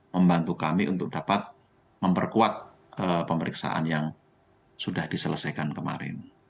membantu kami untuk dapat memperkuat pemeriksaan yang sudah diselesaikan kemarin